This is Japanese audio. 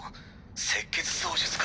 赤血操術か。